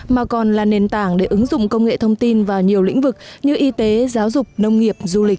mà còn là nền tảng để ứng dụng công nghệ thông tin vào nhiều lĩnh vực như y tế giáo dục nông nghiệp du lịch